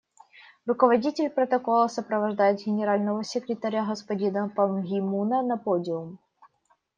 Руководитель протокола сопровождает Генерального секретаря господина Пан Ги Муна на подиум.